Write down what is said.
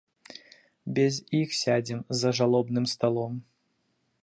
Без іх сядзем за жалобным сталом.